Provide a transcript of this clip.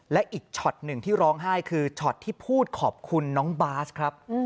และอีกช็อตหนึ่งที่ร้องไห้คือช็อตที่พูดขอบคุณน้องบาสครับ